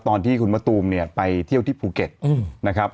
ตอนที่คุณมะตูมเนี่ยไปเที่ยวที่ภูเก็ตนะครับ